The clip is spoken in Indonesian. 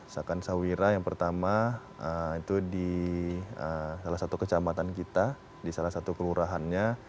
sakan sawira yang pertama itu di salah satu kecamatan kita di salah satu kelurahannya